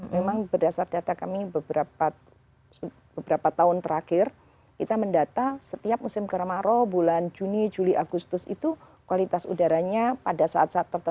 memang berdasar data kami beberapa tahun terakhir kita mendata setiap musim kemarau bulan juni juli agustus itu kualitas udaranya pada saat saat tertentu